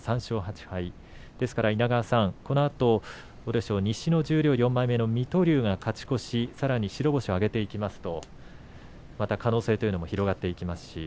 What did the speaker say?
稲川さん、このあと西の十両４枚目の水戸龍が勝ち越し、さらに白星を挙げていきますとまた可能性も広がっていきますし。